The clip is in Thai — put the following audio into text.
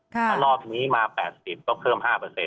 ถ้ารอบนี้มา๘๐ก็เพิ่ม๕